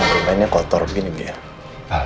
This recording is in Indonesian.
aku hanya ternyata lo